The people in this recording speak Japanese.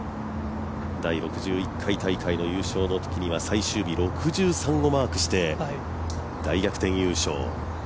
第６１回大会優勝のときは最終日、６３をマークして大逆転優勝。